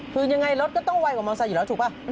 คือยังไงรถก็ต้องไวกว่ามอเซอยู่แล้วถูกป่ะ